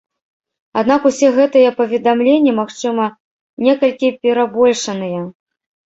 Аднак усе гэтыя паведамленні, магчыма, некалькі перабольшаныя.